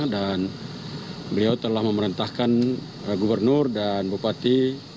dan beliau telah memerintahkan gubernur dan bupati